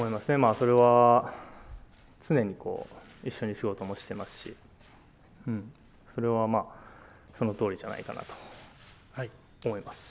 それは常に一緒に仕事もしていますし、それはまあそのとおりじゃないかなと思います。